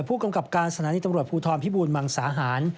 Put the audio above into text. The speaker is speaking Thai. ผู้กำกับการสถานีตำรวจภูทรพิบูรมังสาหาร